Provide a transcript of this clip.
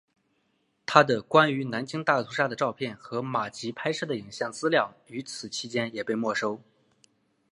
他的关于南京大屠杀的照片和马吉拍摄的影像资料与此期间也被没收。